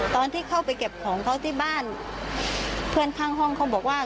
ตอนที่เข้าไปเก็บของเขาที่บ้านเพื่อนข้างห้องเขาบอกว่า